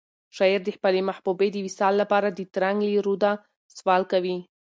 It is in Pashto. شاعر د خپلې محبوبې د وصال لپاره د ترنګ له روده سوال کوي.